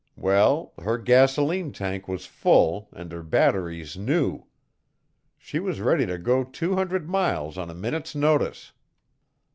Well, her gasoline tank was full and her batteries new. She was ready to go two hundred miles on a minute's notice."